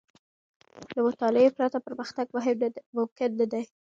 له مطالعې پرته، پرمختګ ممکن نه دی.